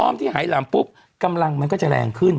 ที่หายหลำปุ๊บกำลังมันก็จะแรงขึ้น